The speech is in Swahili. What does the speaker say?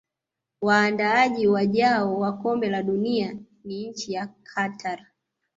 waandaaji wajao wa kombe la dunia ni nchi ya Qatar